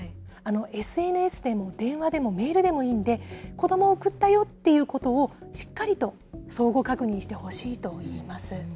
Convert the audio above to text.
ＳＮＳでも、電話でも、メールでもいいんで、子どもを送ったよっていうことを、しっかりと相互確認してほしいといいます。